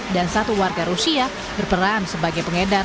dan satu warga rusia berperan sebagai pengedar